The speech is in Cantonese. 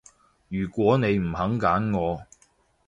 如果你唔肯揀我